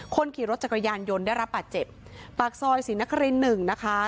คนขี่รถจักรยานยนต์ได้รับบาดเจ็บปากซอยศรีนครินหนึ่งนะคะ